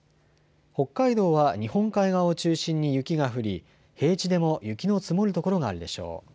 北海道は日本海側を中心に雪が降り平地でも雪の積もる所があるでしょう。